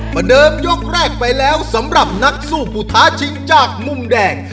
เหมือนเดิมยกแรกไปแล้วสำหรับนักสู้ผู้ท้าชิงจากมุมแดง